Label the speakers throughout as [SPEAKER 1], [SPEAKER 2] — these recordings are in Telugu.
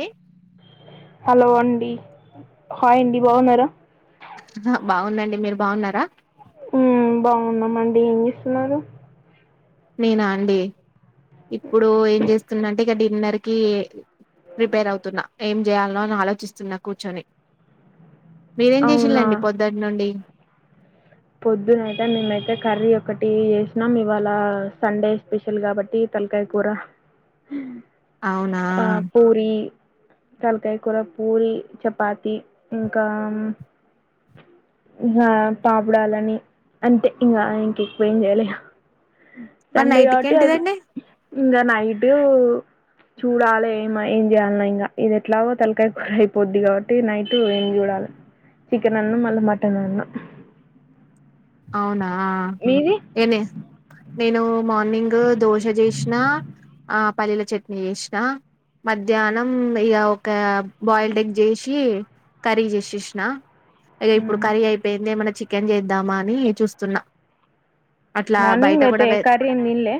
[SPEAKER 1] ఏ
[SPEAKER 2] హలో అండి హాయ్ండి బాగున్నారా
[SPEAKER 1] బాగుంన్నండి. మీరు బాగున్నారా
[SPEAKER 2] ఊ బాగున్నామండి, ఏం చేస్తున్నారు.
[SPEAKER 1] నేనా అండి. ఇప్పుడూ ఏం చేస్తున్నంటే, ఇక డిన్నర్కీ ప్రిపేర్ అవుతున్నా. ఏం చేయాల్నో అని ఆలోచిస్తున్నా కూర్చొని. మీరేం
[SPEAKER 2] అవునా
[SPEAKER 1] చేసిళండి పొద్దటి నుండి.
[SPEAKER 2] పొద్దునయితే మేమైతే కర్రీ ఒకటీ చేసినం. ఇవాళా సండే స్పెషల్ గాబట్టి తల్కాయ కూర.
[SPEAKER 1] అవునా
[SPEAKER 2] ఆ పూరీ తల్కాయ కూర, పూరీ, చపాతీ ఇంకా అం గా పాప్ చూడాలని. అంటే ఇంగా ఇంక ఎక్కువేం చెయ్యలే
[SPEAKER 1] మరి
[SPEAKER 2] సండే
[SPEAKER 1] నైట్కి
[SPEAKER 2] కాబట్టి అది
[SPEAKER 1] ఏంటిదండి
[SPEAKER 2] ఇంగా నైటూ చూడాలే ఏం చెయ్యాలనో ఇంగా. ఇది ఎట్లాగో తల్కాయ కూర అయిపోద్ది కాబట్టి నైటు ఏం చూడాలి. చికెన్ అన్నో మళ్ళీ మటన్ అన్నో.
[SPEAKER 1] అవునా
[SPEAKER 2] మీది
[SPEAKER 1] నేనూ మార్నింగ్ దోశ చేస్నా ఆ పల్లీల చట్నీ చేసినా. మధ్యాహ్నం ఇగ ఒక బాయిల్డ్ ఎగ్ చేసి కర్రీ చేసేసినా. ఇగ ఇప్పుడు కర్రీ అయిపోయింది ఏమన చి ఎం చేద్దామా ని చూస్తున్న
[SPEAKER 2] మార్నింగ్ అయితే కర్రీ నీళ్ళే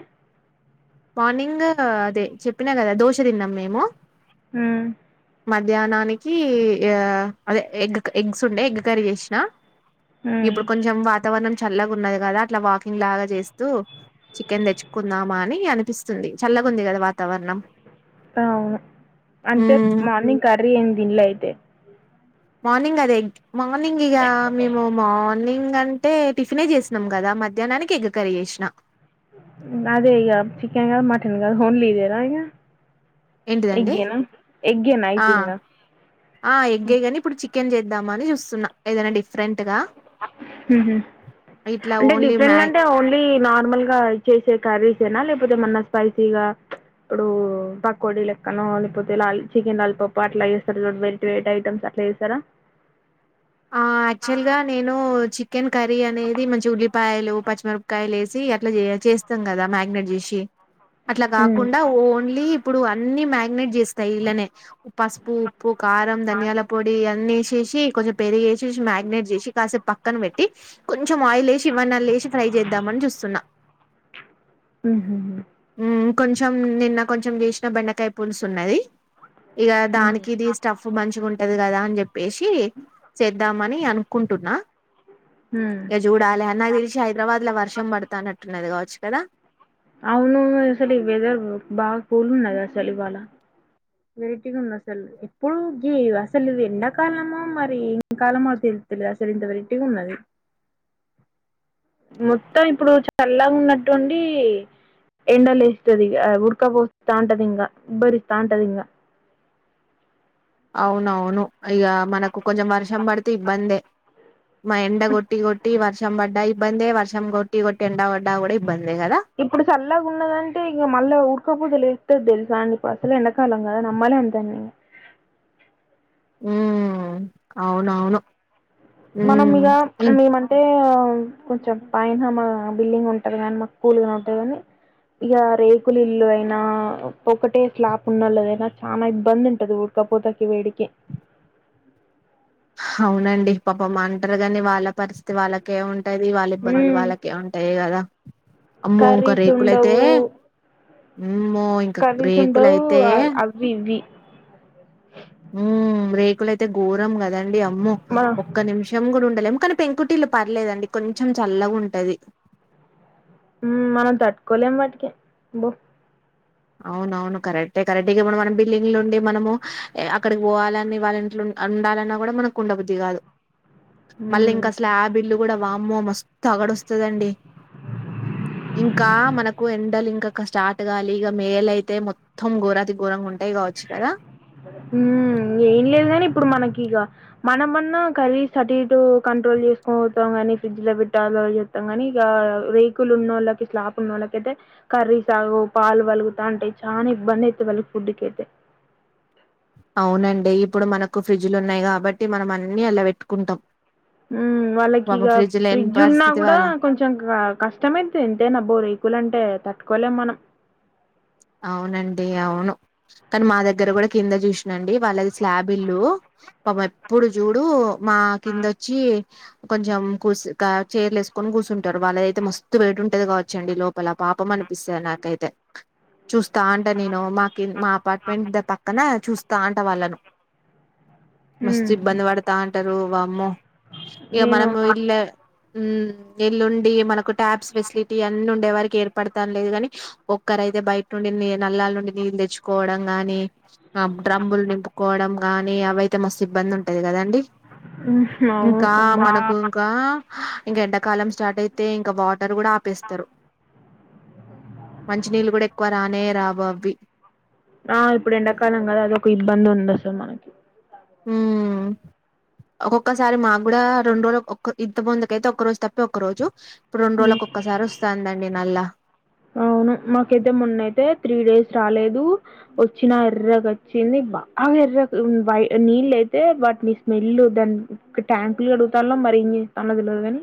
[SPEAKER 1] మార్నింగ్ అదే చెప్పినా కదా దోశ తిన్నం మేము
[SPEAKER 2] ఊ
[SPEAKER 1] మధ్యాహ్నానికి ఆ అదే ఎగ్ ఎగ్స్ ఉండే ఎగ్ కర్రీ చేసినా.
[SPEAKER 2] మ్మ్
[SPEAKER 1] ఇప్పుడు కొంచెం వా వాతావరణం చల్లగా ఉన్నది కదా, అట్ల వాకింగ్ లాగా చేస్తూ చికెన్ తెచ్చుకుందామా అని అనిపిస్తుంది. చల్లగుంది కదా వాతావరణం.
[SPEAKER 2] అవును అంటే
[SPEAKER 1] మ్మ్
[SPEAKER 2] మార్నింగ్ కర్రీ ఏ తిన్లయితే
[SPEAKER 1] మార్నింగ్ అదే ఎ మార్నింగ్ ఇగా మేము మార్నింగ్ కంటే టిఫినే చేసినాం కదా, మధ్యాహ్నానికి ఎగ్ కర్రీ చేసినా.
[SPEAKER 2] అదే ఇగ చికెన్గా మటన్ హోన్లిదేన ఇగ
[SPEAKER 1] ఏంటిదండి
[SPEAKER 2] ఎగ్గేనా ఎగ్గేనా
[SPEAKER 1] ఆ
[SPEAKER 2] అయితే ఇంగ
[SPEAKER 1] ఆ ఎగ్గే గానీ ఇప్పుడు చి చికెన్ చేద్దామని చూస్తున్న, ఏదైనా డిఫరెంట్ గా.
[SPEAKER 2] ఉహు
[SPEAKER 1] ఇట్లా
[SPEAKER 2] అంటే
[SPEAKER 1] ఓన్లీ
[SPEAKER 2] డిఫరెంట్
[SPEAKER 1] మ్యా
[SPEAKER 2] గ అంటే ఓన్లీ నార్మల్ గా చేసే కర్రీ తెన లేకపోతే మొన్న స్పైసీగా, ఇప్పుడు పకోడి లెక్కనో, లేకపోతే లాల్ చికెన్ లాలిపప్పు అట్లా చేస్తారు చూడు వెరట్ వెరట్ ఐటమ్స్ అట్లా చేసరా?
[SPEAKER 1] ఆ యాక్చువల్ గా నే నేను చికెన్ కర్రీ అనేది మంచి ఉల్లిపాయలు, పచ్చిమిరపకాయలు ఏసి అట్ల చే చేస్తాం కదా మ్యారినేట్ చేసి. అట్ల
[SPEAKER 2] మ్మ్.
[SPEAKER 1] కాకుండ ఓన్లీ ఇప్పుడు అన్ని మ్యాగ్నేట్ చేస్తయి ఇలనే పసుపు, ఉప్పు, కారం, ధనియాల పొడి అన్నేస్ ఏషి కొంచ్ పెరిగ్ ఏస్ చేసి మ్యాగ్నేట్ జెసి కాసేప్ ప కన్ పెట్టి కొ కొంచం ఆయిల్ ఎసి, ఇవ్వన్న లేసి ఫ్రై చేద్దామని చూస్తున్నా.
[SPEAKER 2] ఉహు
[SPEAKER 1] కొంచం నిన్న కొంచం చేసిన బెండకాయ పులుసున్నది. ఇగ
[SPEAKER 2] మ్మ్.
[SPEAKER 1] దానికి ఇది స్టఫ్ మంచిగుంటది కదా అన్ చెప్ పేషీ చేద్దామని అనుకుంటున్నా
[SPEAKER 2] మ్మ్.
[SPEAKER 1] ఇగ జుడాలన్నదిలిసి హైదరాబాదులా వర్స షం పడతానట్టున్నది కావచ్చు కదా
[SPEAKER 2] అవునును అసలు వెదర్ బాగా కూల్ ఉన్నది అసలు ఇవాళ వెరెటిగా ఉంది అసలు ఎప్పుడు అసలు ఇది ఎండాకాలమో మరి ఇంకాలమ తెలు తెలేదు అసలు ఇంత వెరెటిగా ఉన్నది మొత్తం ఇప్పుడు చల్లగా ఉన్నటుండి ఎండలు లేస్తదీ ఇగ ఉక్క పోస్త తాంటదింగా ఉబ్బరి తాంటదింగా
[SPEAKER 1] అవునవును ఇగ మనకు కొంచం వర్షం పడితే ఇబ్బందే మా ఎండగొట్టి కొట్టి వర్షం పడ్డా ఇబ్బందే వర్షం కొట్టి కొట్టి ఎండబడ్డా కూడా ఇబ్బంది
[SPEAKER 2] ఇప్పుడు చల్లాగా ఉన్నదంటే ఇంక మళ్ళా ఉడకపోజలే తెలుసండిపా అసలు ఎన కాలంగాద నమ్మాలే అంతంతన్నీ
[SPEAKER 1] ఉ అవునవును
[SPEAKER 2] మనం
[SPEAKER 1] ఉమ్,
[SPEAKER 2] ఇగ
[SPEAKER 1] ఇం-
[SPEAKER 2] మేమంటే కొంచం పైన మా బిల్డింగ్ ఉంటది కాని మా కూల్ ని ఉంటది కాని ఇక రేకులు ఇల్లు అయినా ఒకటే స్లాప్ ఉన్నళదైనా చాలా ఇబ్బంది ఉంటది ఉడకపోతకి వేడికి
[SPEAKER 1] అవునండి పాపం అంటారు కాని వాళ్ళ పరిస్థితి వాళ్ళకే ఉం టది వాళ్ళ ఇబ్బందులు వాళ్ళకే ఉంటాయి కదా అమ్మో ఇంకా
[SPEAKER 2] కరీస్
[SPEAKER 1] రేకులయితే
[SPEAKER 2] ఉండవు
[SPEAKER 1] అమ్మో ఇంకా
[SPEAKER 2] కలిసి ఉండవు
[SPEAKER 1] రేకులయితే
[SPEAKER 2] అవివి ఇవి
[SPEAKER 1] ఉమ్ రేకుల అయితే గోరం గ దండి అమ్మో
[SPEAKER 2] మన
[SPEAKER 1] ఒక్క నిమిషం కూడా ఉండలే కాని పెంకుటిల్లు పర్లేదండి కొంచెం చల్లగా ఉంటది
[SPEAKER 2] ఉ మనం తట్టుకోలేం వాటికి బొ
[SPEAKER 1] అవునవును కరెక్టే కరెక్టే ఇగ మనంమన బిల్డింగ్లుండి మనము అక్కడికి పోవాలని వాళ్ళ ఇంట్లో ఉన్ ఉండాలన్నా కూడా మనకు ఉండబుద్ది కాదు
[SPEAKER 2] మ్మ్
[SPEAKER 1] [unintelligible] కా స్టార్ట్ గాలే ఇగ మేలయితే మొత్తం ఘోరాతి ఘోరంగా ఉంటాయి కావచ్చు కదా
[SPEAKER 2] ఉ ఏం లేదు గాని ఇప్పుడు మనకి ఇగ మనమన్నా కర్రీస్ అటిటు కంట్రోల్ చేసుకోతాం కాని ఫ్రిడ్జ్ ల పెట్టాల వి చేస్తాం కాని ఇక రేకులు ఉన్నోళ్ళకి స్లాప్ ఉన్న వాళ్ళకి అయితే కర్రీ సాగవు పాలు పలుగుతాంటయి చాలా ఇబ్బంది అయితది వాళ్ళక్
[SPEAKER 1] అవునండి ఇప్పుడు మనకు ఫ్రిడ్జ్లు ఉన్నాయి కాబట్టి మనం అన్ని అల్ల పెట్టుకుంటాం
[SPEAKER 2] వాళ్ళకిగ
[SPEAKER 1] పాపం లేని
[SPEAKER 2] ఫ్రిడ్జ్ ఉన్నా
[SPEAKER 1] పరిస్థితి
[SPEAKER 2] కూడా
[SPEAKER 1] వాళ్ళం
[SPEAKER 2] కొంచెం కష్టమైతద్ ఎంతైనా బో రేకులు అంటే తట్ కొలెం మనం
[SPEAKER 1] అవునండి అవును కానీ మా దగ్గర కూడా కింద చూసినండి వాళ్ళది స్లాబ్ ఇల్లు పాపం ఎప్పుడు చూడు మా కిందొచ్చి కొంచెం కూసు కా చేర్లు ఎసుకొని కూర్చుంటారు వాళ్ళదయితే మస్తు వేడి ఉంటది కావచ్చండి లోపల పాపం అనిపిస్తది నాకైతే చుస్ స్తాంట నేను మాకి మా అపార్ట్మెంట్ పక్కన చూస్ తాంట వాళ్ళను మస్తు
[SPEAKER 2] మ్మ్
[SPEAKER 1] ఇబ్బంది పడతాంటారు వమ్మో ఇగ
[SPEAKER 2] నేను
[SPEAKER 1] మనము
[SPEAKER 2] మా
[SPEAKER 1] ఇల్లా ఉమ్ ఎల్లుండి మనకు ట్యాబ్స్ ఫెసిలిటీ అన్నీ ఉండే వరక్ ఏర్పడతానో లేదుగాని ఒక్కరయితే బయట్ నుండి నీ నల్లాల్ నుండి నీళ్ళు తెచ్చు కోవడం గాని ఆ డ్రమ్ములు నింపుకోవడం గాని అవైత్ తే మస్తు ఇబ్బంది ఉంటది కదండి
[SPEAKER 2] ఉహ్ అవును
[SPEAKER 1] ఇంకా
[SPEAKER 2] అమ్మో
[SPEAKER 1] మనకు ఇంకా హా ఇంకా ఎండక్ కాలం స్టార్ట్ అయితే ఇంక వాటర్ గూడా ఆపేస్తారు మంచినీళ్ళు గూడా ఎక్ క్కువరానే రావవ్వి
[SPEAKER 2] ఆ ఇప్పుడు ఎండాకాలం గదా అదొక్ ఇబ్బందుంది అసలు మనకి
[SPEAKER 1] ఉమ్ ఒక్కొక్కసారి మాకు కూడా రెండు రోజులక్ ఒక్క ఇంతక్ ముందుకైతే ఒక్క రోజు తప్పి ఒక్క రోజు ఇప్పుడు రెండు రోజులకు ఒక్కసారి వస్తుందండి నల్ల
[SPEAKER 2] అవును మాకైతే మొన్నయితే త్రీ డేస్ రాలేదు వచ్చినా ఎర్రగా వచ్చింది బాగా ఎర్రగా ఉన్ వై నీళ్ళు అయితే బట్ నీ స్మెల్ దాన్ ట్యాంకులు కడుగుతాన్లో మరి ఏం చేస్తాల్లో తెలవదు కాని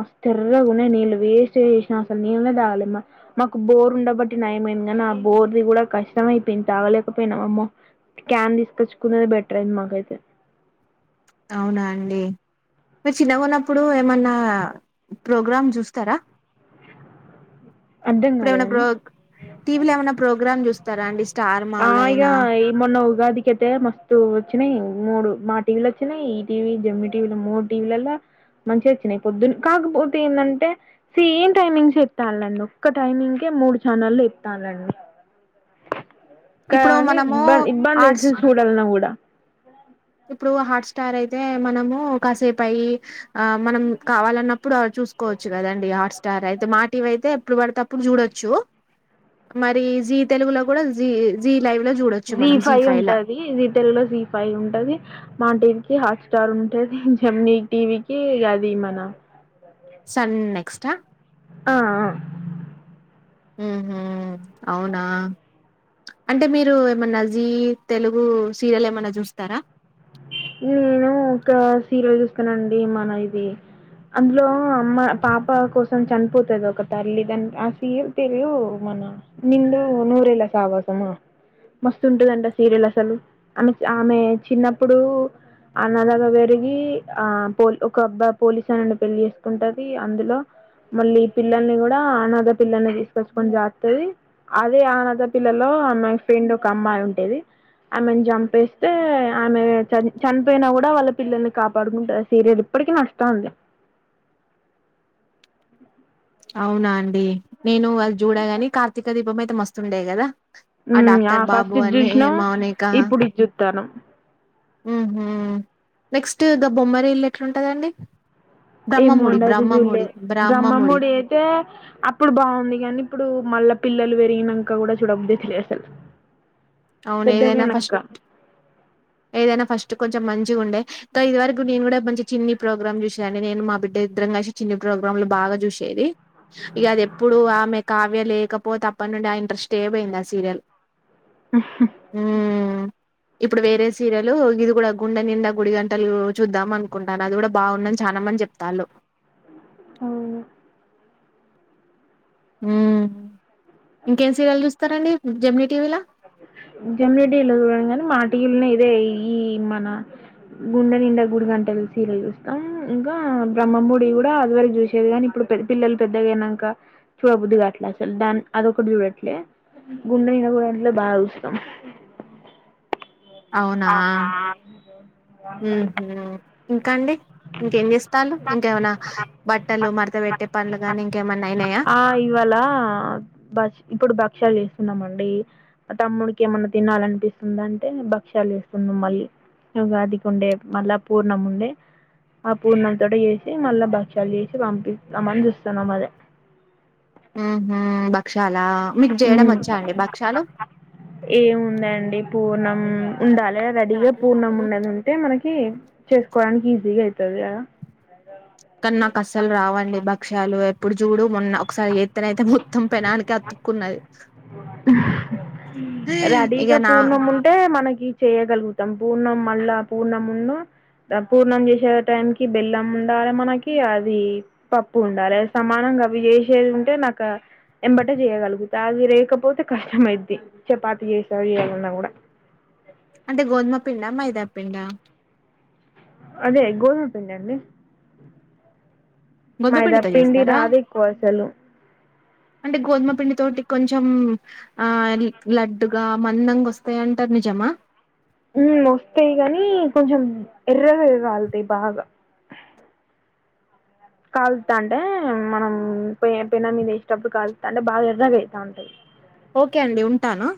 [SPEAKER 2] మస్తు ఎర్రగా ఉన్నాయి నీళ్ళు వేస్ట్ చేసినా అసలు నీళ్ళే తాగాలే మా మాకు బోర్ ఉండబట్టి నయమైంది గానీ ఆ బోర్ ది కూడా కష్టమయిపోయింది తాగలేకపోయినమ్ అమ్మో క్యాన్ తీసుకొచ్చుకునేది బెటర్ అయింది మాకైతే
[SPEAKER 1] అవునా అండి మీరు చిన్నగున్నప్పుడు ఏమన్నా ప్రోగ్రామ్ చూస్తారా
[SPEAKER 2] అర్థం
[SPEAKER 1] ఇప్పుడేమన్నా
[SPEAKER 2] కాలేదండి
[SPEAKER 1] ప్రోగ్ టీవీలో ఏమన్నా ప్రోగ్రామ్ చూస్ స్తారా అండి స్టార్ మా
[SPEAKER 2] ఆ ఇగా
[SPEAKER 1] అయినా
[SPEAKER 2] ఈ మొన్న ఉగాదికైతే మస్తు వచ్చినాయి మూడు మా టీవీలు వచ్చినాయి ఈ టీవీ జెమిని టీవీలో మూడు టీవీలలో మంచిగా వచ్చినాయి పొద్దునా కాకపోతే ఏంటంటే సేమ్ టైమింగ్స్ ఏత్తాలండీ ఒక్క టైమింగ్ కే మూడు ఛానల్ ఏత్తాల్లండీ
[SPEAKER 1] ఇప్పుడు
[SPEAKER 2] కానీ
[SPEAKER 1] మనము
[SPEAKER 2] ఇబ్బంది ఇబ్బంది అయితే
[SPEAKER 1] హాట్స్
[SPEAKER 2] చూడాలన్నా కూడా
[SPEAKER 1] ఇప్పుడు హాట్స్టార్ అయితే మనము కాసేపు అయి ఆ మనం కావాలన్నప్పుడు చూసుకోవచ్చు కదండి హాట్స్టార్ అ యితే మాటివి అయితే ఎప్పుడు పడితే అప్పుడు చూడొచ్చు మరి జీ తెలుగులో కూడా జీ జీ లైవ్ లో చూడొచ్చు
[SPEAKER 2] జీ
[SPEAKER 1] మనం
[SPEAKER 2] ఫైవ్
[SPEAKER 1] ల
[SPEAKER 2] ఉంటది జీటెల్ లో జీ ఫైవ్ ఉంటది మాటివికి హాట్ స్టార్ ఉంటది జెమిని టీవీకి అది మన
[SPEAKER 1] సన్నెక్స్ట్ ఆ
[SPEAKER 2] ఆ
[SPEAKER 1] ఉహూ అవునా అంటే మీరు ఏమన్నా జీ తెలుగు సీరియల్ ఏమైనా చూస్తారా
[SPEAKER 2] నేను ఒక సీరియల్ చూస్తున్న అండి మన ఇది అందులో అమ్మ పాప కోసం చనిపోతది ఒక తల్లి దాని ఆ సీరియల్ పేరు మన నిండు నూరేళ్ల సావాసమా మస్తు ఉంటదంటడి ఆ సీరియల్ అసలు ఆమె ఆమె చిన్న ప్పుడు అనాదగా పెరిగి ఆ పో ఒక అబ్బా పోలీసు ఆయనని పెళ్లి చేసుకుంటది అందులో మళ్ళీ ఈ పిల్లల్ని కూడా అనాధ పిల్లలని తీసుకొచ్చుకొని సాకుతాది అదే అనాధ పిల్లలో ఆమె ఫ్రెండ్ ఒక అమ్మాయి ఉంటది ఆమెను చంపేస్తే ఆమె చ చనిపోయినా కూడా వాళ్ళ పిల్లల్ని కాపాడుకుంటాది సీరియల్ ఇప్పటికిీ నడుస్తా ఉంది
[SPEAKER 1] అవునా అండి నేను వాళ్ళ చూడగాని కార్తీక దీపం మస్తుండేయి కదా
[SPEAKER 2] ఆ
[SPEAKER 1] డాక్టర్ బాబు
[SPEAKER 2] ఫస్ట్ ఇ
[SPEAKER 1] అని
[SPEAKER 2] చూసినా
[SPEAKER 1] మౌనిక
[SPEAKER 2] ఇప్పుడు ఇ కుత్తనుం
[SPEAKER 1] నెక్స్ట్ ద బొమ్మరి ఇల్లు ఎట్లాంటుందండి
[SPEAKER 2] ఏ మండది జూలేె
[SPEAKER 1] బ్రహ్మముడి
[SPEAKER 2] బ్రహ్మమూడి అయితే అప్పుడు బాగుంది కానీ ఇప్పుడు మళ్ల పిల్లలు పెరిగినక కూడా చూడబద్దు తెలిదు అసలు
[SPEAKER 1] అవును ఏదైనా
[SPEAKER 2] పెద్దగైనంక
[SPEAKER 1] ఫస్ట్ ఏదైనా ఫస్ట్ కొంచెం మంచిగా ఉండే ఇది వరకు నేను కూడా మంచి చిన్ని ప్రోగ్రామ్ చూసేదిండి నేను మా బిడ్డ ఇద్దరం కసి చిన్ని ప్రోగ్రామ్లు బాగా చూసేది ఇక అది ఎప్పుడు ఆమె కావ్యలే పో తప్పండ ఆ ఇంట్రస్ట్ ఏ పోయింద సీరియల్
[SPEAKER 2] ఆ
[SPEAKER 1] మ్మ్ ఇప్పుడు వేరే సీరయలు ఇది కూడా గుండె నిండా గుడి గంటలు చూద్దాం అనుకుంటాను అది కూడా బాగుందని చాలామని చెప్తాళ్ళు
[SPEAKER 2] ఆ
[SPEAKER 1] హ ఇంకేంసరల్ ఇస్తారంండి జెమిని టీవీ లా
[SPEAKER 2] జమరెడ్డిలో చూడడం కాని మాటు ఇలునే ఇదే ఈ మన గుండె నిండ గుడి కంట సీరలు చూస్తాం ఇంకా బ్రహ్మమూడి కూడా అదివరకు చూసేది కానీ ఇప్పుడు పిల్లలు పెద్దగా అయినాక చూడబొద్దుగా అట్లా అసలు దాన్ని అదొకటి చూడట్లే గుండె నిండ గుడి అంట్లో బాగా వం
[SPEAKER 1] అవునా ఇంకాండి ఇంకేం చేస్తాలు ఇంకేమనా బట్టలు మరత పెట్టే పనులు గాని ఇంకేమన్నా అయినాయా
[SPEAKER 2] ఆ ఇవాళ వస్తున్నామండి తమ్ముడికి ఏమన్నా తినాలినిపిస్తుంద అంటే భక్ష్యాలు వేస్తున్నా మళ్ళీ ఉగాదికి ఉండే మళ్ళా పూర్ణం ఉండే ఆ పూర్ణ తోట చేసి మళ్ళా భక్ష్యాలు చేసి పంపిస్తాం అని చూస్తున్నాం అదే
[SPEAKER 1] ఆ మ్మ్ భక్షాల మీకు చేయడం
[SPEAKER 2] మ్మ్
[SPEAKER 1] వచ్చా అండి భక్షాలు
[SPEAKER 2] ర్ణం ఉండాలె రెడీగా పూర్ణం ఉన్నది ఉంటే మనకి చేసుకోవడానికి ఈజీగా అయిపో టది కద
[SPEAKER 1] ఇప్పుడు జూడు మొన్న ఒకసారి జెత్తనైతే మొత్తం పెననికే అతుక్కున్నది ఇక
[SPEAKER 2] రెడీగా
[SPEAKER 1] నా
[SPEAKER 2] పూర్ణం ఉంటే మనకి చేయగలుగుతాం పూర్ణం మళ్ళా పూర్ణం ఉన్నూ ద పూర్ణం చేసే టైం కి బెల్లం ఉండాలె మనకి అది పప్పు ఉండాలే సమానంగా అవి చేసేది ఉంటే నాక ఎంబటె చేయ్యగలుగుతా అది రేక పోతే కష్టమైద్ది చపాతి చేసారు చేయాలన్నా కూడా
[SPEAKER 1] అంటే గోధుమ పిండా మైదా పిండా
[SPEAKER 2] అదే గోధుమ పిండండి
[SPEAKER 1] గోధుమ
[SPEAKER 2] మైదా
[SPEAKER 1] పిండితో
[SPEAKER 2] పిండి
[SPEAKER 1] చేస్తారా
[SPEAKER 2] రాదు ఎక్కువ అసలు
[SPEAKER 1] అంటే గోధుమ పిండి తోటి కొంచెం ఆ లడ్డు గా మందంగా వస్తాయంటరు నిజమా
[SPEAKER 2] ఉ వస్తాయి గనీ కొంచెం ఎర్రగ కాలుతాయి బాగా కాలుస్తా అంటే మనం పె పెన మీద వేసేటప్పుడు కాలుస్తా అంటే బాగా ఎర్రగా అయితాంటై
[SPEAKER 1] ఓకే అండి ఉంటాను